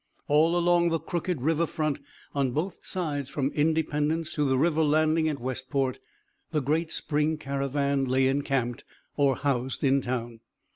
All along the crooked river front, on both sides from Independence to the river landing at Westport, the great spring caravan lay encamped, or housed in town.